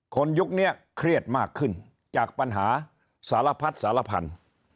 ยุคนี้เครียดมากขึ้นจากปัญหาสารพัดสารพันธุ์